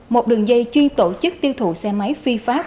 một đường dây chuyên tổ chức tiêu thụ xe máy phi pháp